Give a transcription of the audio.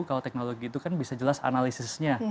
kalau teknologi itu kan bisa jelas analisisnya